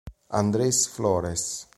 Andrés Flores